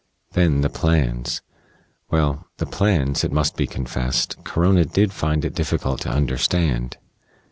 Then the plans. Well, the plans, it must be confessed, Corona did find it difficult to understand.